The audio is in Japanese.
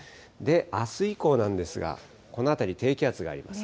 あす以降なんですが、この辺り低気圧があります。